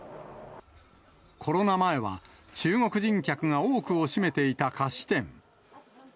コロナ前は、中国人客が多くを占めていた菓子店。